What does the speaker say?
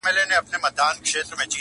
هم یې زامه هم یې پزه ماتومه!!